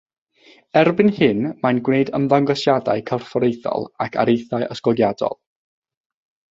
Erbyn hyn mae'n gwneud ymddangosiadau corfforaethol ac areithiau ysgogiadol.